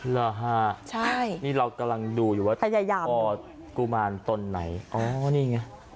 เหรอฮะใช่นี่เรากำลังดูอยู่ว่าพอกุมารตนไหนอ๋อนี่ไง